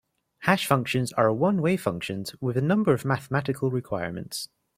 Hash functions are one-way functions with a number of mathematical requirements.